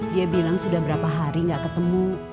dia bilang sudah berapa hari gak ketemu